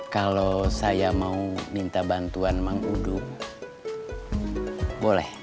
kalau saya mau minta bantuan mang uduk boleh